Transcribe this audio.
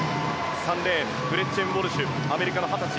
３レーングレッチェン・ウォルシュアメリカの２０歳。